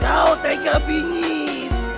kau tega bingit